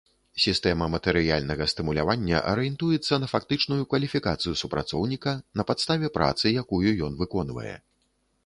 Сістэма матэрыяльнага стымулявання арыентуецца на фактычную кваліфікацыю супрацоўніка на падставе працы, якую ён выконвае.